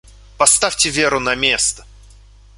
Поставьте Веру на место!